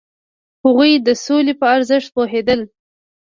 هغوی د سولې په ارزښت پوهیدل.